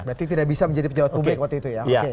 berarti tidak bisa menjadi pejabat publik waktu itu ya